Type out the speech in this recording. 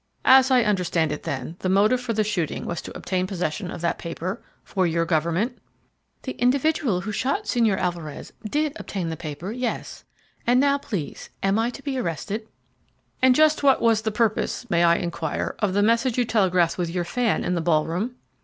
"As I understand it, then, the motive for the shooting was to obtain possession of that paper? For your government?" "The individual who shot Señor Alvarez did obtain the paper, yes. And now, please, am I to be arrested?" "And just what was the purpose, may I inquire, of the message you telegraphed with your fan in the ball room?"